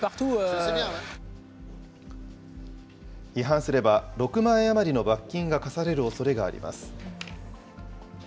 違反すれば６万円余りの罰金が科されるおそれがあります。